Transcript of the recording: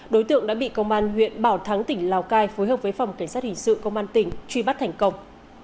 đối tượng đã bị công an huyện bảo thắng tỉnh lào cai phối hợp với phòng cảnh sát hình sự công an tỉnh truy bắt thành công